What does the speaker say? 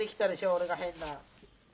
俺が変な。